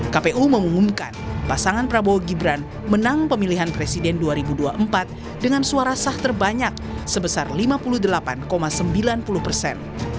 kpu mengumumkan pasangan prabowo gibran menang pemilihan presiden dua ribu dua puluh empat dengan suara sah terbanyak sebesar lima puluh delapan sembilan puluh persen